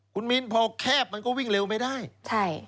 คุณมิ้นพอแคบมันก็วิ่งเร็วไม่ได้ใช่